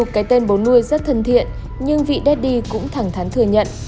mặc dù cái tên bồ nuôi rất thân thiện nhưng vị daddy cũng thẳng thắn thừa nhận